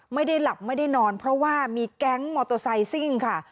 ไม่ได้หลับไม่ได้นอนเพราะว่ามีแก๊งมอเตอร์ไซซิ่งค่ะ